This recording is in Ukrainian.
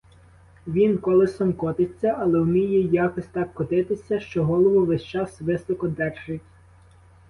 Він колесом котиться, але уміє якось так котитися, що голову весь час високо держить.